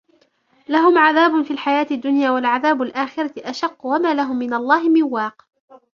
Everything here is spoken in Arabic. لَهُمْ عَذَابٌ فِي الْحَيَاةِ الدُّنْيَا وَلَعَذَابُ الْآخِرَةِ أَشَقُّ وَمَا لَهُمْ مِنَ اللَّهِ مِنْ وَاقٍ